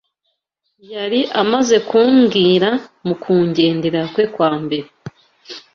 yari amaze kumbwira mu kungenderera kwe kwa mbere